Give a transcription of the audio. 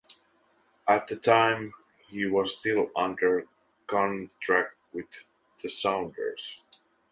At the time, he was still under contract with the Sounders.